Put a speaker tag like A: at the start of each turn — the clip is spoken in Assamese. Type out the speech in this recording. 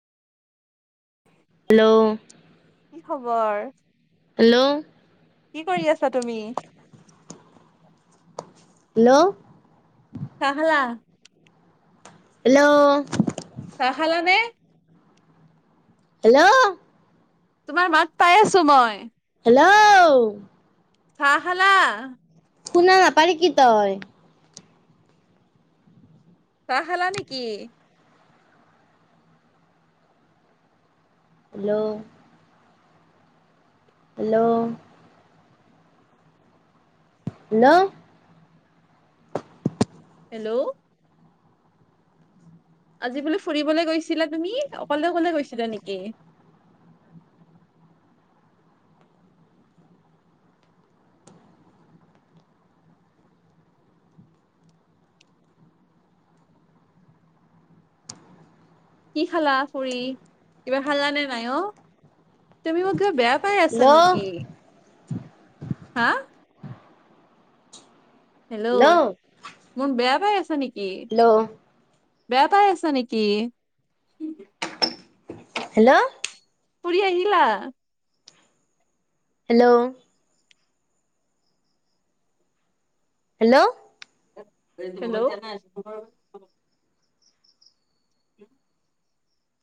A: হেল্ল'
B: কি খবৰ?
A: হেল্ল'
B: কি কৰি আছা তুমি?
A: হেল্ল'
B: চাহ খালা?
A: হেল্ল'
B: চাহ খালা নে?
A: হেল্ল'
B: তোমাৰ মাত পাই আছো মই
A: হেল্ল'
B: চাহ খালা?
A: শুনা নাপা নেকি তই
B: চাহ খালা নেকি
A: হেল্ল' হেল্ল' হেল্ল
B: হেল্ল' আজি বোলে ফুৰিবলৈ গৈছিলা তুমি অকলে অকলে গৈছিলা নেকি কি খালা ফুৰি কিবা খালা নে নাই অ', তুমি মোক কিবা বেয়া পাই আছা
A: হেল্ল'
B: নেকি? হেল্ল' মোক বেয়া পাই আছ নেকি?
A: হেল্ল'
B: বেয়া পাই আছা নেকি?
A: হেল্ল'
B: ফুৰি আহিলা?
A: Hello hello
B: hello [inaudible]